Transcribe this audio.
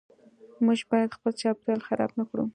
موږ باید خپل چاپیریال خراب نکړو .